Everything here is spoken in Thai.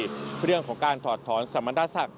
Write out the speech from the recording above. เรื่องของการถอดถอนสมรรถศักดิ